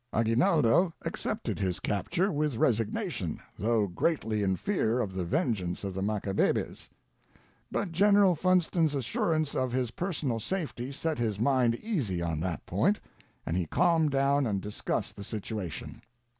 Aguinaldo accepted his capture with resignation, though greatly in fear of the vengeance of the Macabebes. But General Funston's assurance of his personal safety set his mind easy on that point, and he calmed down and discussed the situation.